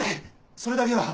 それだけは！